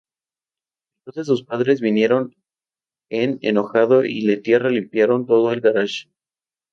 Entonces sus padres vinieron en enojado y le tierra limpiando todo el garaje.